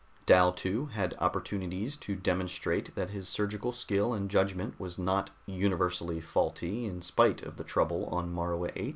Dal, too, had opportunities to demonstrate that his surgical skill and judgment was not universally faulty in spite of the trouble on Morua VIII.